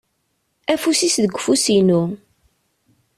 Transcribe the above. Afus-is deg ufus-inu.